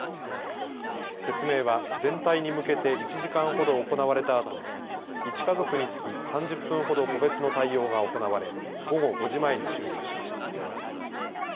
説明は、全体に向けて１時間ほど行われたあと１家族につき３０分ほど個別の対応が行われ午後５時前に終了しました。